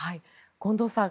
近藤さん